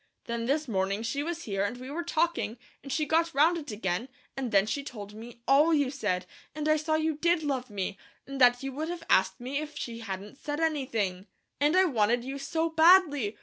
Then this morning she was here, and we were talking, and she got round it again, and then she told me ALL you said, and I saw you did love me, and that you would have asked me if she hadn't said anything, and I wanted you so badly.